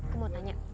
gue mau tanya